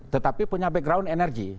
tetapi punya background energi